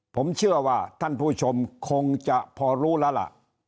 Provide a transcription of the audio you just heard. ผมเชื่อว่าท่านผู้ชมคงจะพอรู้แล้วล่ะ